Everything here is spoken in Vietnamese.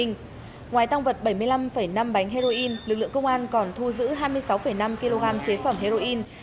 ngoài tăng vật bảy mươi năm năm bánh heroin lực lượng công an còn thu giữ hai mươi sáu năm kg chế phẩm heroin